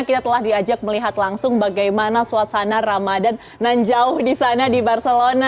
kita telah diajak melihat langsung bagaimana suasana ramadan nanjauh di sana di barcelona